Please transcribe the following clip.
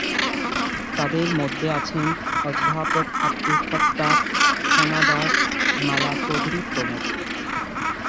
তাঁদের মধ্যে আছেন অধ্যাপক আবদুস সাত্তার, হেনা দাস, মালা চৌধুরী প্রমুখ।